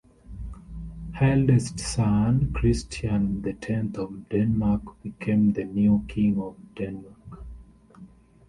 Her eldest son Christian the Tenth of Denmark became the new king of Denmark.